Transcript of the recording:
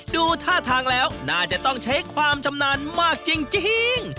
ดูท่าทางแล้วน่าจะต้องใช้ความชำนาญมากจริง